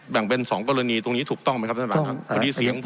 แบ่งเป็นสองกรณีตรงนี้ถูกต้องไหมครับท่านประธานครับคุณดีเสียงของผม